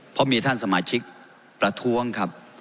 เพราะมีท่านสมาชิกประท้วงครับ